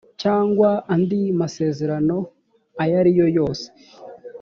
cyangwa andi masezerano ayo ari yo yose